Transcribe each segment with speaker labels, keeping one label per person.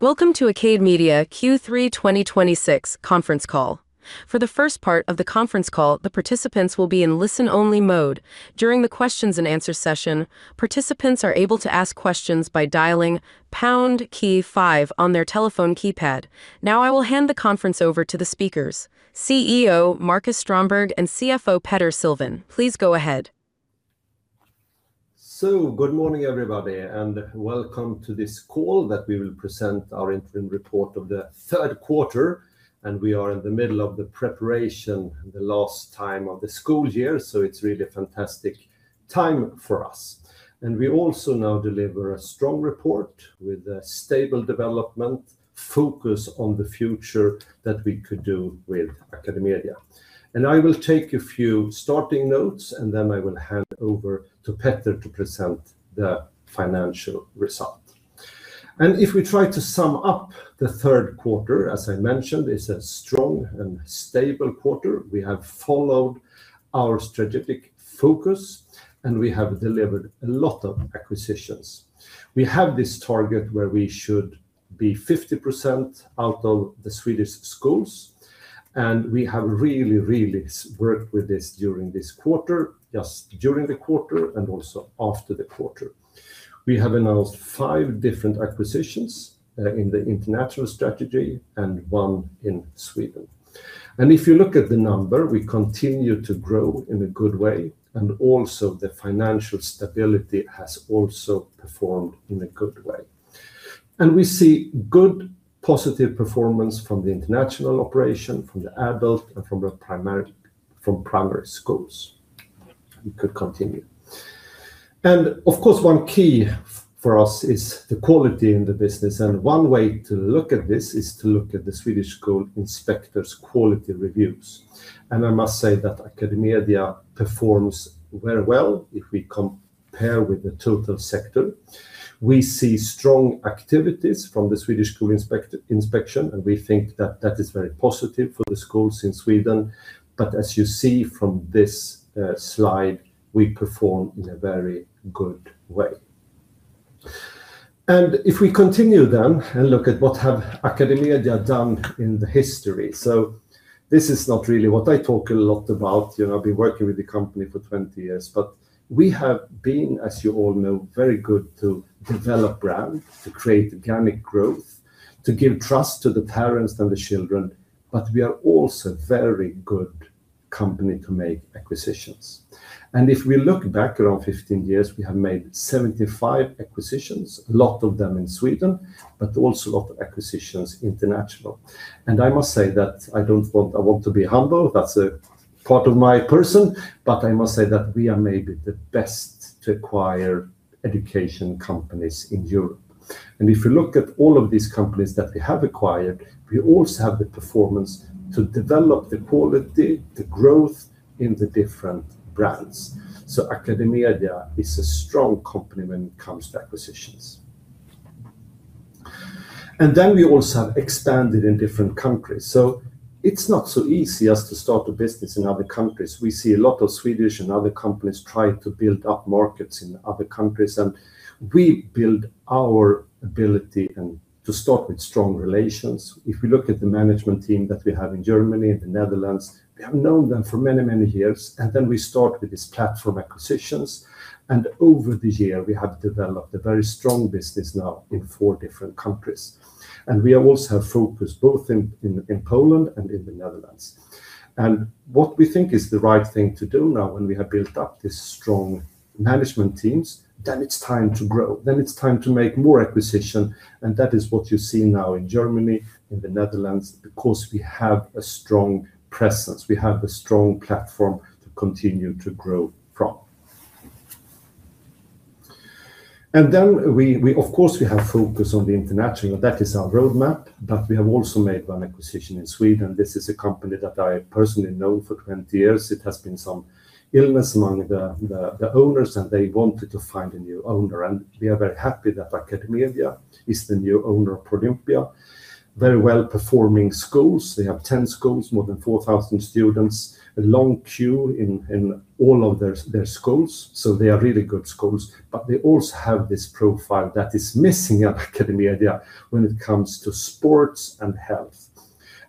Speaker 1: Welcome to AcadeMedia Q3 2026 conference call. For the first part of the conference call, the participants will be in listen only mode. During the questions and answer session, participants are able to ask questions by dialing pound key five on their telephone keypad. Now I will hand the conference over to the speakers, CEO Marcus Strömberg and CFO Petter Sylvan. Please go ahead.
Speaker 2: Good morning, everybody, and welcome to this call that we will present our interim report of the third quarter. We are in the middle of the preparation, the last time of the school year. It's really a fantastic time for us. We also now deliver a strong report with a stable development focus on the future that we could do with AcadeMedia. I will take a few starting notes, and then I will hand over to Petter to present the financial result. If we try to sum up the third quarter, as I mentioned, it's a strong and stable quarter. We have followed our strategic focus, we have delivered a lot of acquisitions. We have this target where we should be 50% out of the Swedish schools, we have really worked with this during this quarter. Just during the quarter and also after the quarter. We have announced five different acquisitions in the international strategy and one in Sweden. If you look at the number, we continue to grow in a good way, and also the financial stability has also performed in a good way. We see good positive performance from the international operation, from the adult and from primary schools. We could continue. Of course, one key for us is the quality in the business, and one way to look at this is to look at the Swedish Schools Inspectorate's quality reviews. I must say that AcadeMedia performs very well if we compare with the total sector. We see strong activities from the Swedish Schools Inspectorate Inspection, and we think that that is very positive for the schools in Sweden. As you see from this slide, we perform in a very good way. If we continue then and look at what have AcadeMedia done in the history. This is not really what I talk a lot about. You know, I've been working with the company for 20 years. We have been, as you all know, very good to develop brand, to create organic growth, to give trust to the parents and the children, but we are also very good company to make acquisitions. If we look back around 15 years, we have made 75 acquisitions. A lot of them in Sweden, but also a lot of acquisitions international. I must say that I want to be humble, that's a part of my person. I must say that we are maybe the best to acquire education companies in Europe. If you look at all of these companies that we have acquired, we also have the performance to develop the quality, the growth in the different brands. AcadeMedia is a strong company when it comes to acquisitions. We also have expanded in different countries. It's not so easy as to start a business in other countries. We see a lot of Swedish and other companies try to build up markets in other countries, and we build our ability and to start with strong relations. If we look at the management team that we have in Germany and the Netherlands, we have known them for many, many years, and then we start with these platform acquisitions. Over the year, we have developed a very strong business now in four different countries. We also have focus both in Poland and in the Netherlands. What we think is the right thing to do now when we have built up these strong management teams, then it's time to grow. It's time to make more acquisition. That is what you see now in Germany, in the Netherlands, because we have a strong presence. We have a strong platform to continue to grow from. We of course have focus on the international. That is our roadmap, but we have also made one acquisition in Sweden. This is a company that I personally know for 20 years. It has been some illness among the owners, and they wanted to find a new owner. We are very happy that AcadeMedia is the new owner of Prolympia. Very well-performing schools. They have 10 schools, more than 4,000 students. A long queue in all of their schools. They are really good schools. They also have this profile that is missing at AcadeMedia when it comes to sports and health.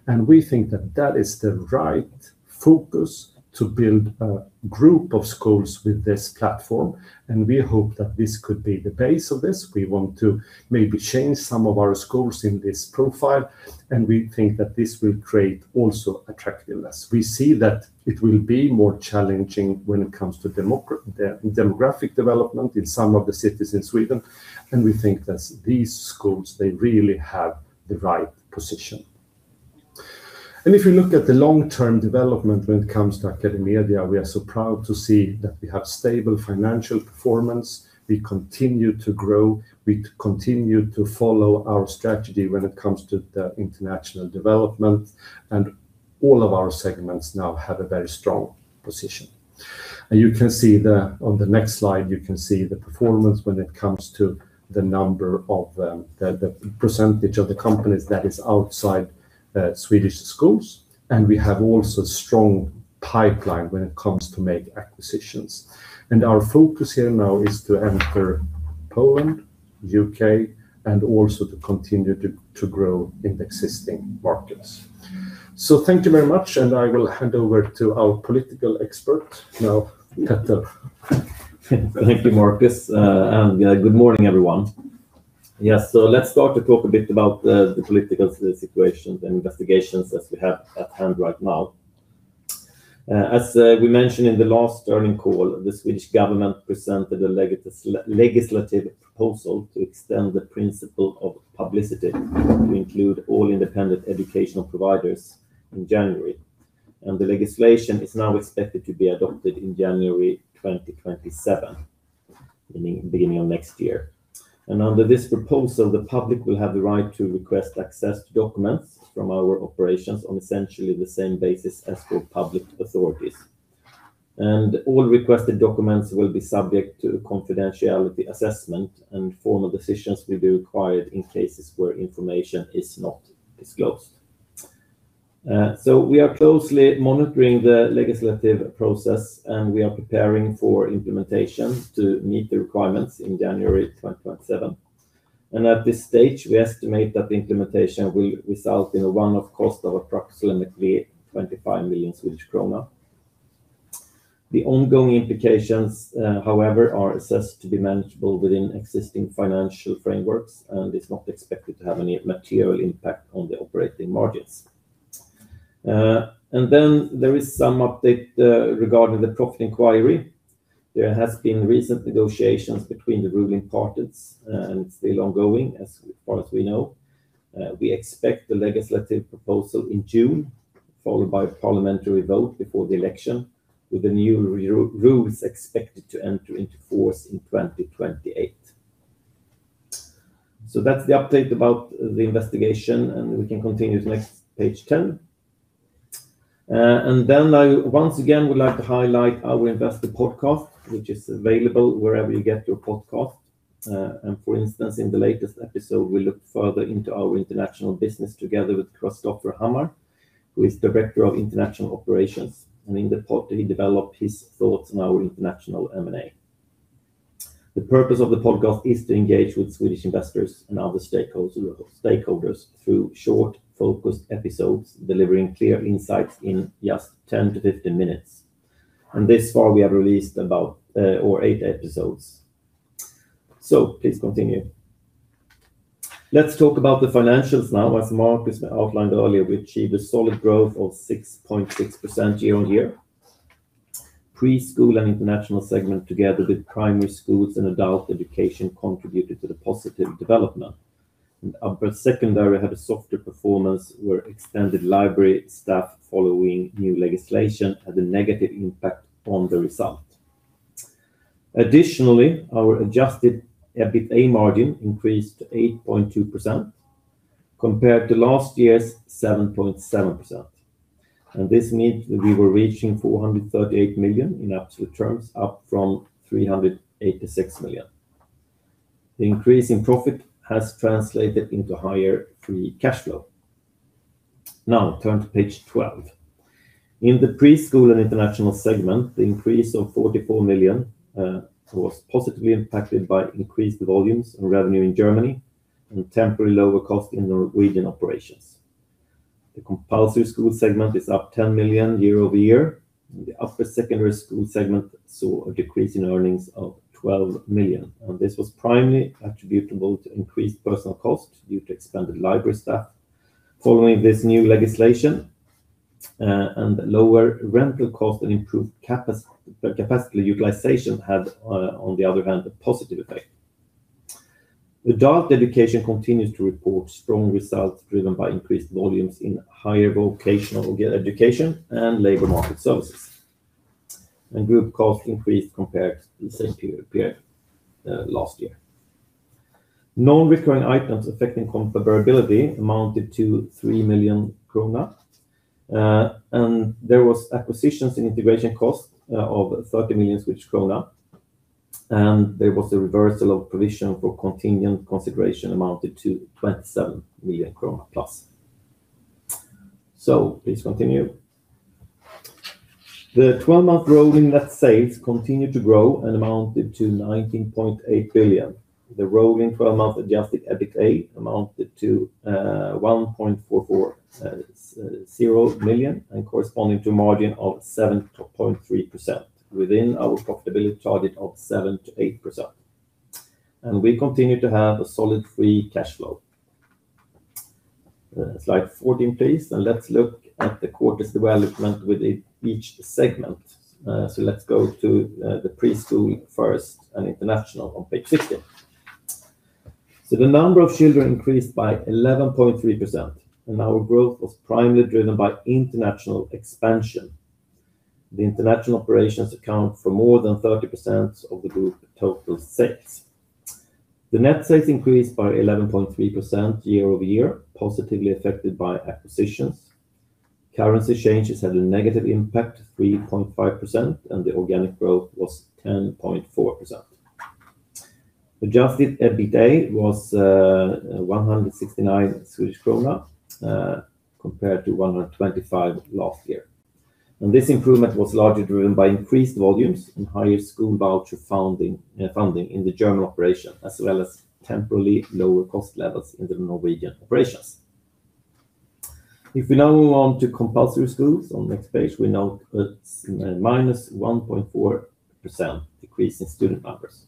Speaker 2: We think that that is the right focus to build a group of schools with this platform, and we hope that this could be the base of this. We want to maybe change some of our schools in this profile, and we think that this will create also attractiveness. We see that it will be more challenging when it comes to demographic development in some of the cities in Sweden, and we think that these schools, they really have the right position. If you look at the long-term development when it comes to AcadeMedia, we are so proud to see that we have stable financial performance. We continue to grow. We continue to follow our strategy when it comes to the international development, and all of our segments now have a very strong position. On the next slide, you can see the performance when it comes to the percentage of the companies that is outside Swedish schools. We have also strong pipeline when it comes to make acquisitions. Our focus here now is to enter Poland, U.K., and also to continue to grow in existing markets. Thank you very much. I will hand over to our political expert now, Petter.
Speaker 3: Thank you, Marcus. Good morning, everyone. Let's start to talk a bit about the political situation and investigations as we have at hand right now. As we mentioned in the last earning call, the Swedish government presented a legislative proposal to extend the principle of public access to include all independent educational providers in January. The legislation is now expected to be adopted in January 2027, in the beginning of next year. Under this proposal, the public will have the right to request access to documents from our operations on essentially the same basis as for public authorities. All requested documents will be subject to confidentiality assessment, and formal decisions will be required in cases where information is not disclosed. We are closely monitoring the legislative process, and we are preparing for implementation to meet the requirements in January 2027. At this stage, we estimate that the implementation will result in a one-off cost of approximately 25 million Swedish krona. The ongoing implications, however, are assessed to be manageable within existing financial frameworks, and it's not expected to have any material impact on the operating margins. There is some update regarding the profit inquiry. There has been recent negotiations between the ruling parties, and it's still ongoing as far as we know. We expect the legislative proposal in June, followed by parliamentary vote before the election, with the new rules expected to enter into force in 2028. That's the update about the investigation, and we can continue to next page 10. Then I once again would like to highlight our investor podcast, which is available wherever you get your podcast. For instance, in the latest episode, we look further into our international business together with Kristofer Hammar, who is Director of International Operations. In the pod, he developed his thoughts on our international M&A. The purpose of the podcast is to engage with Swedish investors and other stakeholders through short, focused episodes, delivering clear insights in just 10-15 minutes. This far, we have released over eight episodes. Please continue. Let's talk about the financials now. As Marcus outlined earlier, we achieved a solid growth of 6.6% year-on-year. Preschool and International segment together with Primary schools and Adult education contributed to the positive development. Upper secondary had a softer performance where extended library staff following new legislation had a negative impact on the result. Additionally, our adjusted EBITA margin increased to 8.2% compared to last year's 7.7%. This means that we were reaching 438 million in absolute terms, up from 386 million. The increase in profit has translated into higher free cash flow. Now turn to page 12. In the preschool and international segment, the increase of 44 million was positively impacted by increased volumes and revenue in Germany and temporary lower cost in Norwegian operations. The compulsory school segment is up 10 million year-over-year. The upper secondary school segment saw a decrease in earnings of 12 million, and this was primarily attributable to increased personal cost due to expanded library staff. Following this new legislation, lower rental cost and improved capacity utilization had, on the other hand, a positive effect. Adult education continues to report strong results driven by increased volumes in higher vocational education and labor market services. Group costs increased compared to the same period last year. Non-recurring items affecting comparability amounted to SEK 3 million. There was acquisitions and integration cost of 30 million krona, and there was a reversal of provision for contingent consideration amounted to 27 million krona+. Please continue. The 12-month rolling net sales continued to grow and amounted to 19.8 billion. The rolling 12-month adjusted EBITA amounted to 1,440 million and corresponding to margin of 7.3% within our profitability target of 7%-8%. We continue to have a solid free cash flow. Slide 14, please. Let's look at the quarter's development within each segment. Let's go to the preschool first and international on page 16. The number of children increased by 11.3%, and our growth was primarily driven by international expansion. The international operations account for more than 30% of the group total sales. The net sales increased by 11.3% year-over-year, positively affected by acquisitions. Currency changes had a negative impact, 3.5%, and the organic growth was 10.4%. Adjusted EBITDA was 169 Swedish krona, compared to 125 last year. This improvement was largely driven by increased volumes and higher school voucher funding in the German operation, as well as temporarily lower cost levels in the Norwegian operations. We now move on to compulsory schools on next page, we note it's minus 1.4% decrease in student numbers.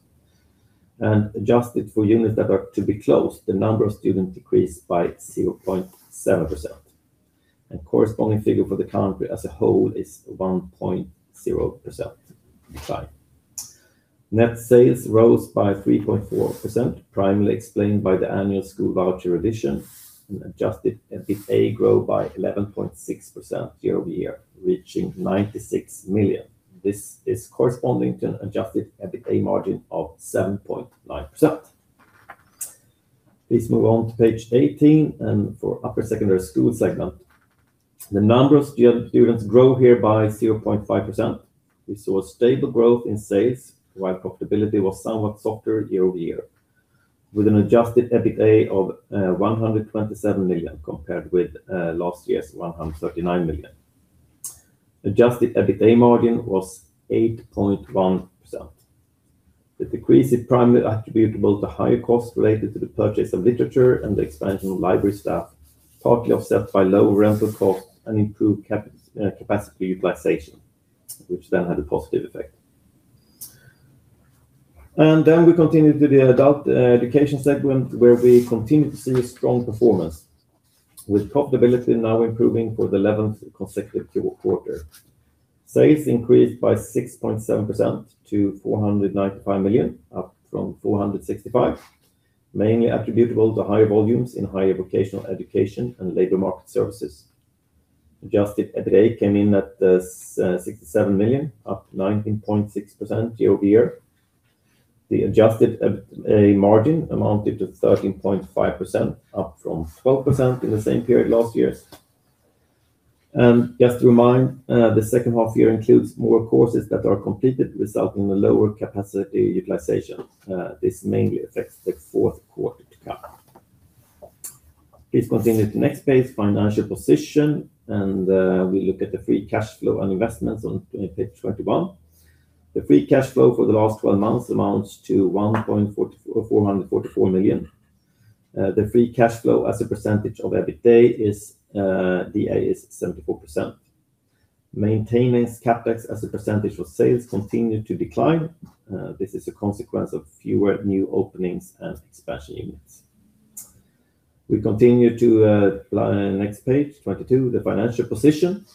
Speaker 3: Adjusted for units that are to be closed, the number of students decreased by 0.7%. Corresponding figure for the country as a whole is 1.0% decline. Net sales rose by 3.4%, primarily explained by the annual school voucher revision and adjusted EBITDA grew by 11.6% year-over-year, reaching 96 million. This is corresponding to an adjusted EBITDA margin of 7.9%. Please move on to page 18 and for upper secondary school segment. The number of students grew here by 0.5%. We saw stable growth in sales, while profitability was somewhat softer year-over-year, with an adjusted EBITDA of 127 million compared with last year's 139 million. Adjusted EBITDA margin was 8.1%. The decrease is primarily attributable to higher costs related to the purchase of literature and the expansion of library staff, partly offset by lower rental costs and improved capacity utilization, which then had a positive effect. We continue to the adult education segment, where we continue to see a strong performance, with profitability now improving for the 11th consecutive quarter. Sales increased by 6.7% to 495 million, up from 465 million, mainly attributable to higher volumes in higher vocational education and labor market services. Adjusted EBITDA came in at 67 million, up 19.6% year-over-year. The adjusted EBITA margin amounted to 13.5%, up from 12% in the same period last year. Just to remind, the second half year includes more courses that are completed, resulting in lower capacity utilization. This mainly affects the fourth quarter to come. Please continue to the next page, financial position, and we look at the free cash flow and investments on page 21. The free cash flow for the last 12 months amounts to 444 million. The free cash flow as a percentage of EBITDA is 74%. Maintenance CapEx as a percentage of sales continued to decline. This is a consequence of fewer new openings and expansion units. We continue to next page, 22, the financial position.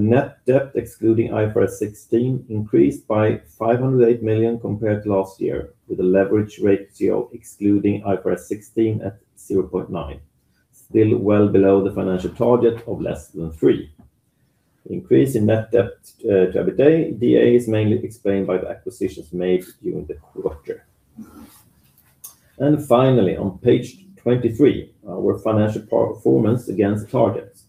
Speaker 3: Net debt, excluding IFRS 16, increased by 508 million compared to last year, with a leverage ratio excluding IFRS 16 at 0.9, still well below the financial target of less than 3. The increase in net debt to EBITDA is mainly explained by the acquisitions made during the quarter. Finally, on page 23, our financial performance against targets.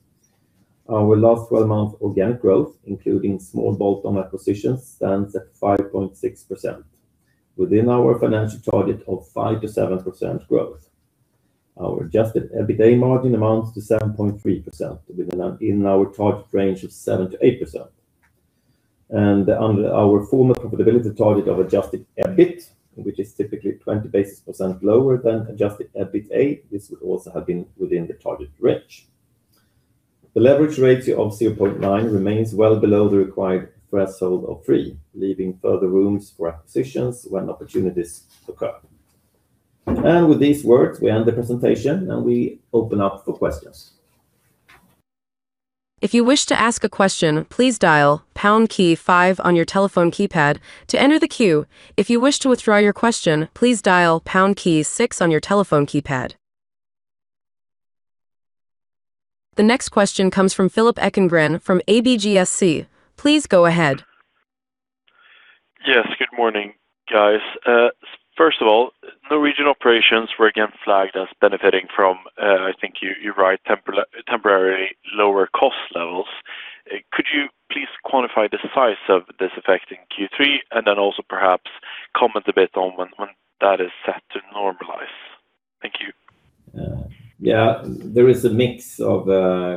Speaker 3: Our last 12-month organic growth, including small bolt-on acquisitions, stands at 5.6%, within our financial target of 5%-7% growth. Our adjusted EBITDA margin amounts to 7.3% in our target range of 7%-8%. Under our former profitability target of adjusted EBIT, which is typically 20 basis points lower than adjusted EBITDA, this would also have been within the target range. The leverage ratio of 0.9 remains well below the required threshold of 3, leaving further rooms for acquisitions when opportunities occur. With these words, we end the presentation, and we open up for questions.
Speaker 1: If you wish to ask a question, please dial pound key five on your telephone keypad to enter the queue. If you wish to withdraw your question, please dial pound key six on your telephone keypad. The next question comes from Philip Ekengren from ABGSC. Please go ahead.
Speaker 4: Yes. Good morning, guys. First of all, Norwegian operations were again flagged as benefiting from, I think you're right, temporarily lower cost levels. Could you please quantify the size of this effect in Q3? Also perhaps comment a bit on when that is set to normalize. Thank you.
Speaker 3: Yeah. There is a mix of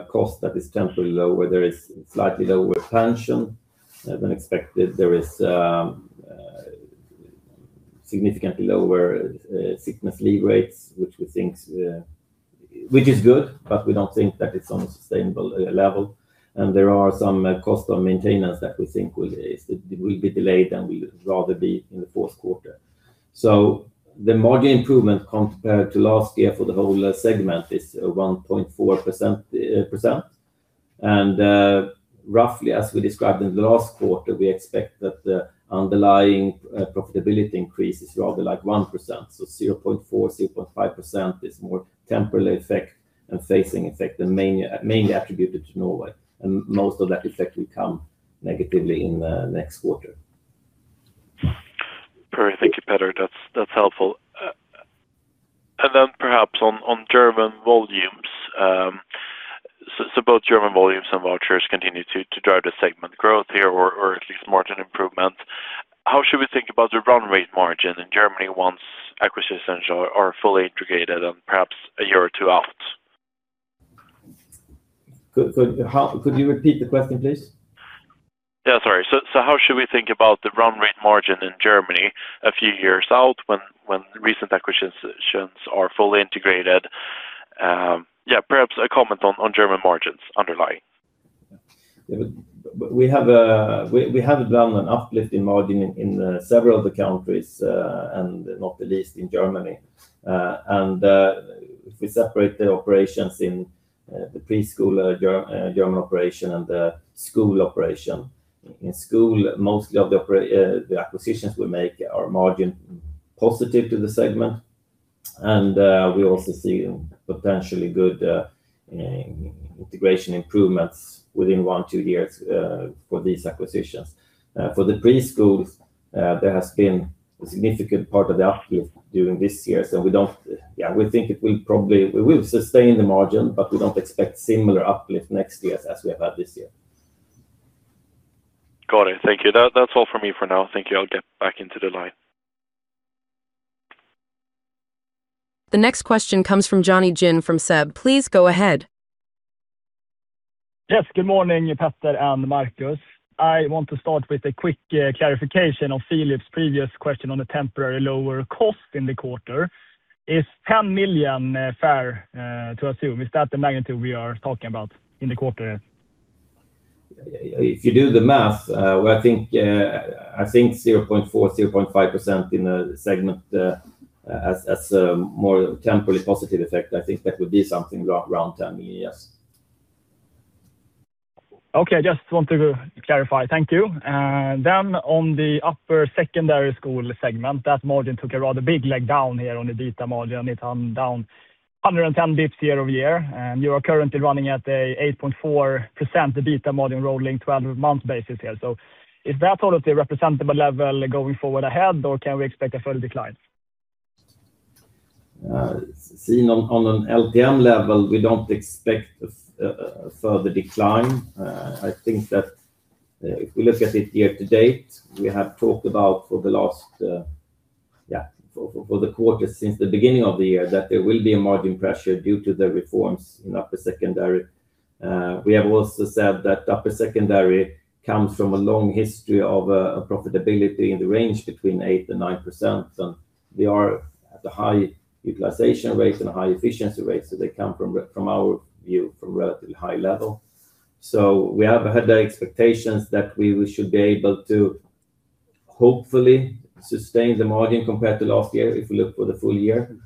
Speaker 3: cost that is temporarily lower. There is slightly lower pension than expected. There is significantly lower sickness leave rates, which we think is good, but we don't think that it's on a sustainable level. There are some cost on maintenance that we think will be delayed and will rather be in the fourth quarter. The margin improvement compared to last year for the whole segment is 1.4%. Roughly as we described in the last quarter, we expect that the underlying profitability increase is rather like 1%. 0.4%-0.5% is more temporary effect than facing effect and mainly attributed to Norway. Most of that effect will come negatively in the next quarter.
Speaker 4: Perfect. Thank you, Petter. That's helpful. On German volumes, both German volumes and vouchers continue to drive the segment growth here or at least margin improvement. How should we think about the run rate margin in Germany once acquisitions are fully integrated and perhaps a year or two out?
Speaker 3: Good. How Could you repeat the question, please?
Speaker 4: Yeah, sorry. How should we think about the run rate margin in Germany a few years out when recent acquisitions are fully integrated? Yeah, perhaps a comment on German margins underlying.
Speaker 3: Yeah. We have done an uplift in margin in several of the countries, and not the least in Germany. If we separate the operations in the preschool German operation and the school operation. In school, mostly of the acquisitions we make are margin positive to the segment. We also see potentially good integration improvements within one, two years for these acquisitions. For the preschools, there has been a significant part of the uplift during this year, so we think it will probably sustain the margin, but we don't expect similar uplift next year as we have had this year.
Speaker 4: Got it. Thank you. That's all from me for now. Thank you. I'll get back into the line.
Speaker 1: The next question comes from Jonny Jin from SEB. Please go ahead.
Speaker 5: Yes. Good morning, Petter and Marcus. I want to start with a quick clarification of Philip's previous question on the temporary lower cost in the quarter. Is 10 million fair to assume? Is that the magnitude we are talking about in the quarter?
Speaker 3: If you do the math, well, I think, I think 0.4%-0.5% in the segment, as a more temporally positive effect, I think that would be something around 10 million, yes.
Speaker 5: Okay. Just want to clarify. Thank you. On the upper secondary school segment, that margin took a rather big leg down here on the EBITDA margin. It went down 110 basis points year-over-year. You are currently running at an 8.4% EBITDA margin rolling 12-month basis here. Is that sort of the representable level going forward ahead, or can we expect a further decline?
Speaker 3: Seen on an LTM level, we don't expect a further decline. I think that, if we look at it year to date, we have talked about for the last, yeah, for the quarter since the beginning of the year that there will be a margin pressure due to the reforms in upper secondary. We have also said that upper secondary comes from a long history of profitability in the range between 8% and 9%, and they are at a high utilization rates and high efficiency rates, so they come from our view from relatively high level. We have had the expectations that we should be able to hopefully sustain the margin compared to last year if we look for the full year.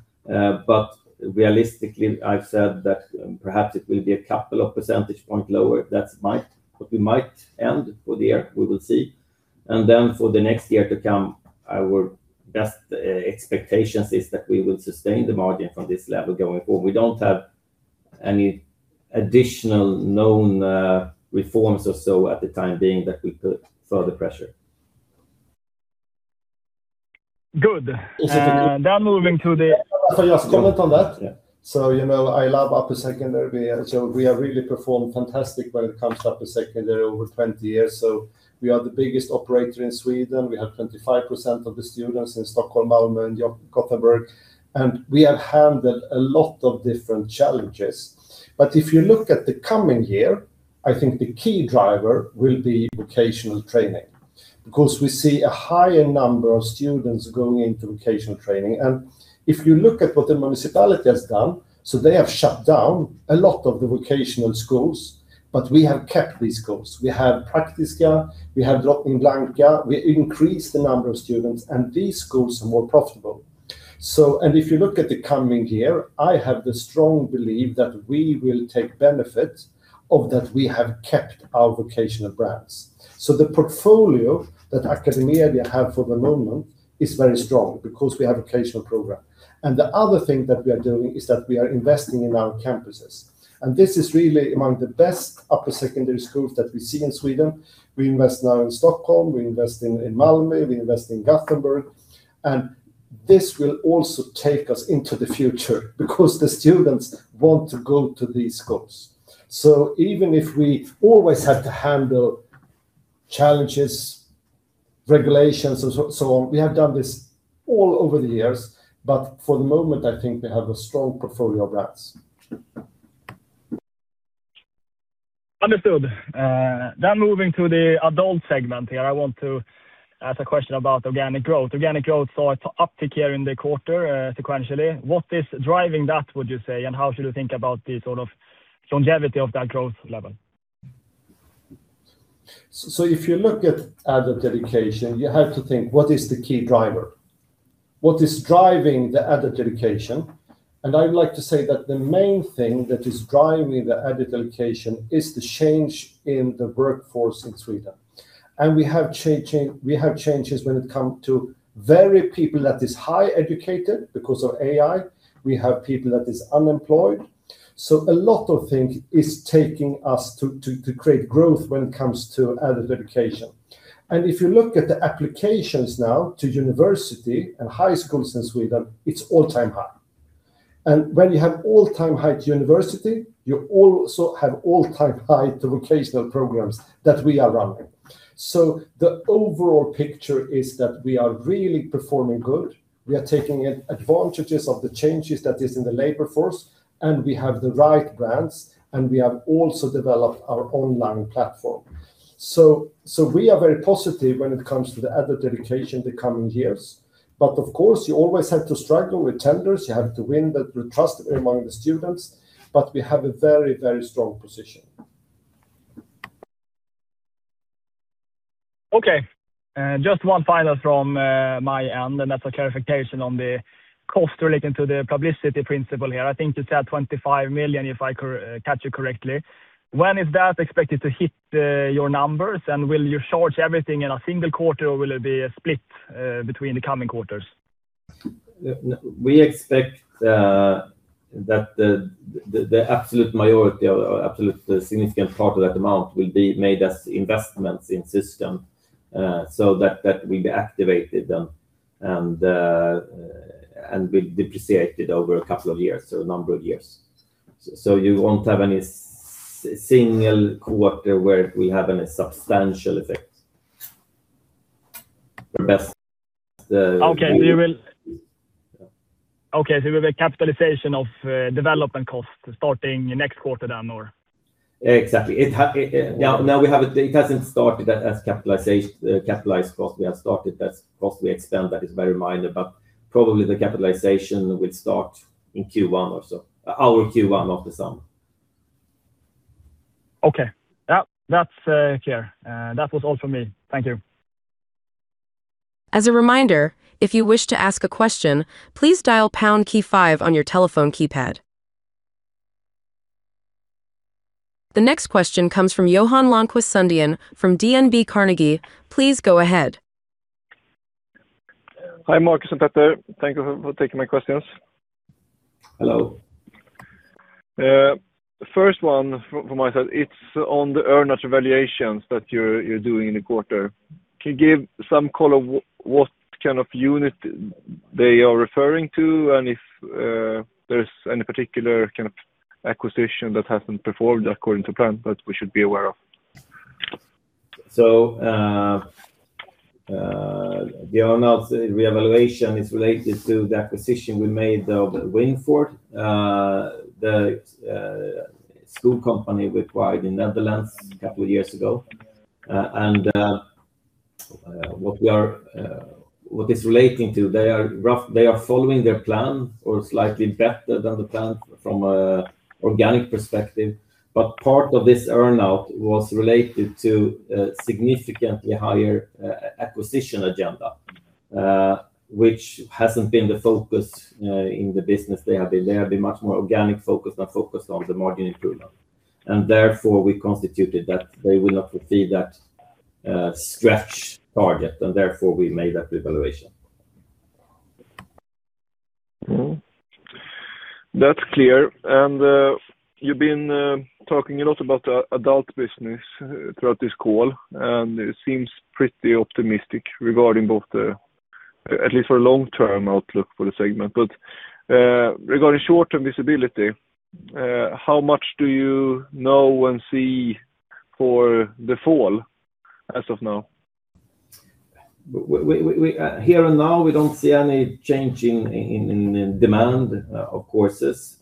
Speaker 3: Realistically, I've said that perhaps it will be a couple of percentage point lower. That's what we might end for the year. We will see. For the next year to come, our best expectations is that we will sustain the margin from this level going forward. We don't have any additional known reforms or so at the time being that will put further pressure.
Speaker 5: Good.
Speaker 2: Is it good?
Speaker 5: Uh, then moving to the-
Speaker 2: If I just comment on that.
Speaker 3: Yeah.
Speaker 2: You know, I love upper secondary. We have really performed fantastic when it comes to upper secondary over 20 years. We are the biggest operator in Sweden. We have 25% of the students in Stockholm, Malmö, and Gothenburg, and we have handled a lot of different challenges. If you look at the coming year, I think the key driver will be vocational training because we see a higher number of students going into vocational training. If you look at what the municipality has done, they have shut down a lot of the vocational schools, but we have kept these schools. We have Praktiska, we have Drottning Blanka. We increased the number of students, and these schools are more profitable. If you look at the coming year, I have the strong belief that we will take benefit of that we have kept our vocational brands. The portfolio that AcadeMedia have for the moment is very strong because we have vocational program. The other thing that we are doing is that we are investing in our campuses, and this is really among the best upper secondary schools that we see in Sweden. We invest now in Stockholm, we invest in Malmö, we invest in Gothenburg, and this will also take us into the future because the students want to go to these schools. Even if we always have to handle challenges, regulations, and so on, we have done this all over the years. For the moment, I think we have a strong portfolio of brands.
Speaker 5: Understood. Moving to the adult segment here, I want to ask a question about organic growth. Organic growth saw an uptick here in the quarter, sequentially. What is driving that, would you say? How should we think about the sort of longevity of that growth level?
Speaker 2: If you look at adult education, you have to think what is the key driver? What is driving the adult education? I would like to say that the main thing that is driving the adult education is the change in the workforce in Sweden. We have changes when it come to very people that is high educated because of AI. We have people that is unemployed. A lot of things is taking us to create growth when it comes to adult education. If you look at the applications now to university and high schools in Sweden, it's all-time high. When you have all-time high to university, you also have all-time high to vocational programs that we are running. The overall picture is that we are really performing good. We are taking advantages of the changes that is in the labor force, and we have the right brands, and we have also developed our online platform. We are very positive when it comes to the adult education the coming years. Of course, you always have to struggle with tenders. You have to win the trust among the students, but we have a very strong position.
Speaker 5: Okay. just one final from my end, and that's a clarification on the cost relating to the principle of public access here. I think you said 25 million, if I catch you correctly. When is that expected to hit your numbers? Will you charge everything in a single quarter, or will it be a split between the coming quarters?
Speaker 3: We expect that the absolute majority or absolute significant part of that amount will be made as investments in system, so that will be activated and will depreciate it over a couple of years or a number of years. You won't have any single quarter where it will have any substantial effect.
Speaker 5: Okay.
Speaker 3: Yeah.
Speaker 5: Okay. We have a capitalization of development costs starting next quarter then, or?
Speaker 3: Exactly. Now we have it. It hasn't started as capitalized cost. We have started that cost we extend that is very minor. Probably the capitalization will start in Q1 or so. Our Q1 of the summer.
Speaker 5: Okay. Yeah. That's clear. That was all from me. Thank you.
Speaker 1: As a reminder, if you wish to ask a question, please dial pound key five on your telephone keypad. The next question comes from Johan Lönnqvist Sundén from DNB Carnegie. Please go ahead.
Speaker 6: Hi, Marcus and Petter. Thank you for taking my questions.
Speaker 3: Hello.
Speaker 6: First one from my side, it's on the earn-out revaluations that you're doing in the quarter. Can you give some color what kind of unit they are referring to? If there's any particular kind of acquisition that hasn't performed according to plan that we should be aware of?
Speaker 3: The earn-out revaluation is related to the acquisition we made of Winford, the school company we acquired in Netherlands a couple of years ago. What is relating to, they are following their plan or slightly better than the plan from a organic perspective. Part of this earn-out was related to a significantly higher acquisition agenda, which hasn't been the focus in the business. They have been much more organic focused and focused on the margin improvement. Therefore, we constituted that they will not fulfill that stretch target, and therefore we made that revaluation.
Speaker 6: Mm-hmm. That's clear. You've been talking a lot about the adult education throughout this call, and it seems pretty optimistic regarding both the, at least for long-term outlook for the segment. Regarding short-term visibility, how much do you know and see for the fall as of now?
Speaker 3: We here and now, we don't see any change in demand of courses.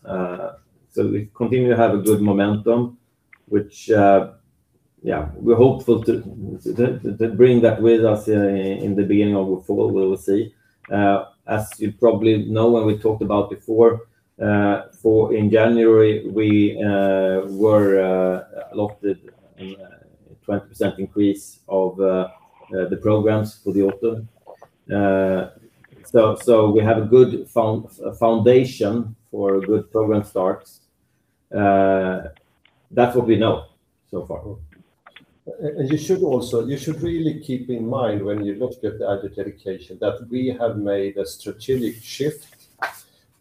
Speaker 3: We continue to have a good momentum, which we're hopeful to bring that with us in the beginning of fall. We will see. You probably know, when we talked about before, for in January, we were allotted a 20% increase of the programs for the autumn. We have a good foundation for a good program starts. That's what we know so far.
Speaker 2: You should also, you should really keep in mind when you look at the adult education, that we have made a strategic shift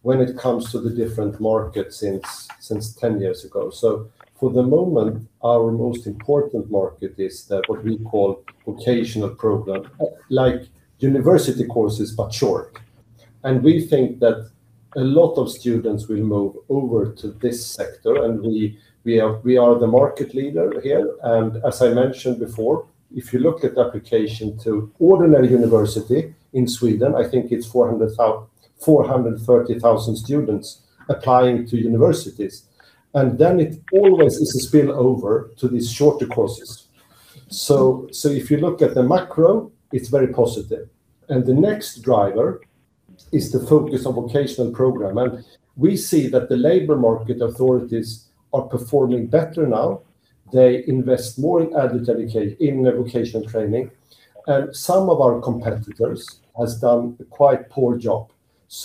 Speaker 2: when it comes to the different markets since 10 years ago. For the moment, our most important market is the, what we call vocational program, like university courses, but short. We think that a lot of students will move over to this sector, and we are the market leader here. As I mentioned before, if you look at application to ordinary university in Sweden, I think it's 430,000 students applying to universities. Then it always is a spillover to these shorter courses. If you look at the macro, it's very positive. The next driver is the focus on vocational program. We see that the labor market authorities are performing better now. They invest more in vocational training. Some of our competitors has done a quite poor job.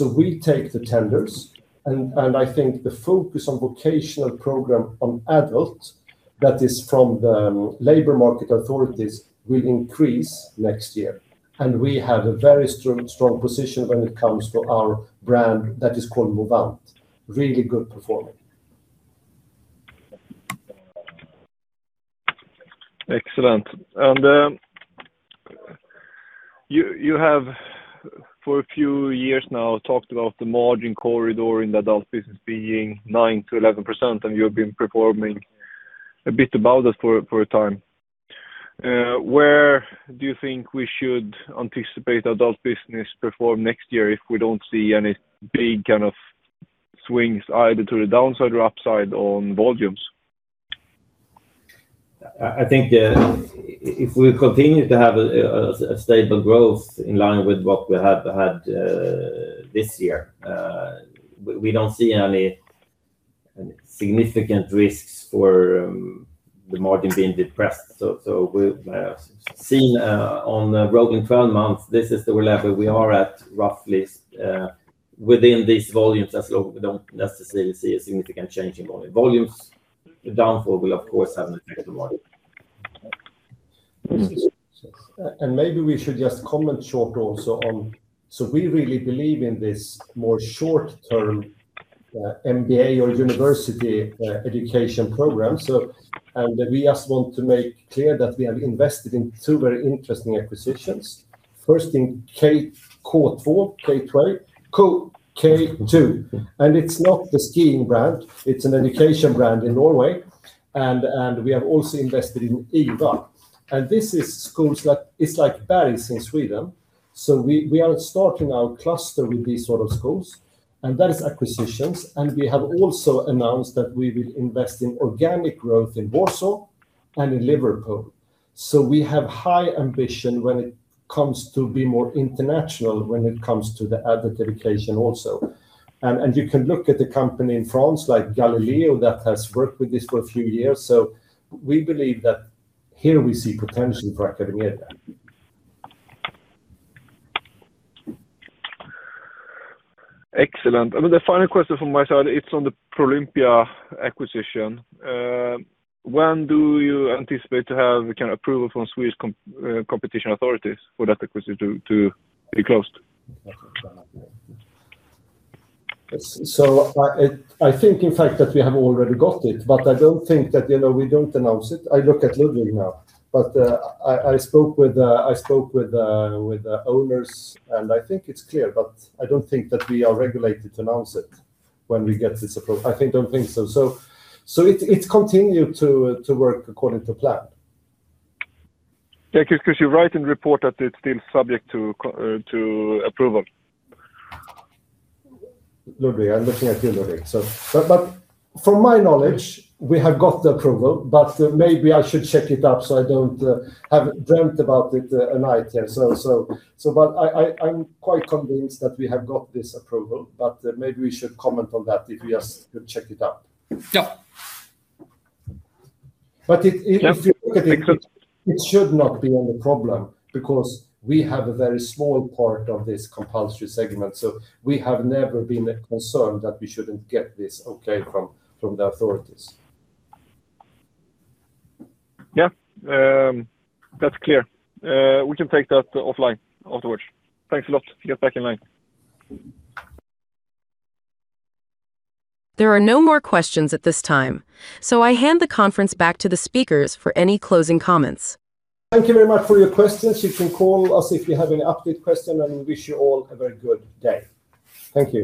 Speaker 2: We take the tenders, and I think the focus on vocational program on adult that is from the labor market authorities will increase next year. We have a very strong position when it comes to our brand that is called Movant. Really good performing.
Speaker 6: Excellent. You have for a few years now talked about the margin corridor in the adult business being 9%-11%, and you've been performing a bit above that for a time. Where do you think we should anticipate adult business perform next year if we don't see any big kind of swings either to the downside or upside on volumes?
Speaker 3: I think, if we continue to have a stable growth in line with what we have had this year, we don't see any significant risks for the margin being depressed. We've seen on rolling 12 months, this is the level we are at, roughly, within these volumes as long we don't necessarily see a significant change in volume. Volumes downfall will of course have an effect on the margin.
Speaker 2: Maybe we should just comment short also on. We really believe in this more short-term MBA or university education program. We just want to make clear that we have invested in two very interesting acquisitions. First in K2. It is not the skiing brand, it is an education brand in Norway. We have also invested in IVA. This is schools that It is like Berghs in Sweden. We are starting our cluster with these sort of schools. That is acquisitions. We have also announced that we will invest in organic growth in Warsaw and in Liverpool. We have high ambition when it comes to be more international, when it comes to the adult education also. You can look at the company in France, like Galileo, that has worked with this for a few years. We believe that here we see potential for AcadeMedia.
Speaker 6: Excellent. The final question from my side, it's on the Prolympia acquisition. When do you anticipate to have kind of approval from Swedish competition authorities for that acquisition to be closed?
Speaker 2: I, it, I think in fact that we have already got it, but I don't think that, you know, we don't announce it. I look at Ludwig now. I spoke with the owners, and I think it's clear, but I don't think that we are regulated to announce it when we get this approval. I think, don't think so. It continued to work according to plan.
Speaker 6: Yeah, because you write in report that it's still subject to approval.
Speaker 2: Ludwig, I'm looking at you, Ludwig. But from my knowledge, we have got the approval, but maybe I should check it up, so I don't have dreamt about it at night. I'm quite convinced that we have got this approval, but maybe we should comment on that if we just check it out.
Speaker 3: Yeah.
Speaker 2: But it-
Speaker 6: Yeah.
Speaker 2: If you look at it should not be any problem because we have a very small part of this compulsory segment, so we have never been concerned that we shouldn't get this okay from the authorities.
Speaker 6: That's clear. We can take that offline afterwards. Thanks a lot. Get back in line.
Speaker 1: There are no more questions at this time, so I hand the conference back to the speakers for any closing comments.
Speaker 2: Thank you very much for your questions. You can call us if you have any update question, and we wish you all a very good day. Thank you.